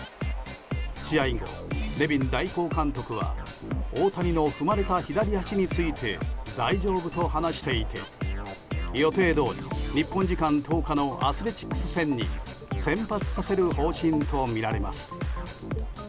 試合後、ネビン代行監督は大谷の踏まれた左足について大丈夫と話していて予定どおり日本時間１０日のアスレチックス戦に先発させる方針とみられます。